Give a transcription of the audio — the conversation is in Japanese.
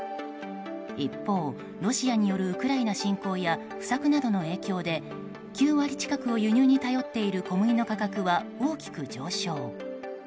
一方、ロシアによるウクライナ侵攻や不作などの影響で９割近くを輸入に頼っている小麦の価格は大きく上昇。